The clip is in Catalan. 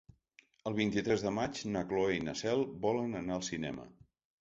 El vint-i-tres de maig na Cloè i na Cel volen anar al cinema.